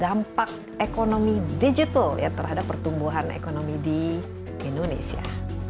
dampak ekonomi digital ya terhadap pertumbuhan ekonomi di indonesia